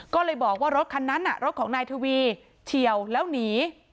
ก็เลยบอกว่ารถคันนั้นรถของนายทวีเฉียวแล้วหนี